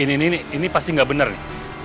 ini ini ini ini pasti nggak bener nih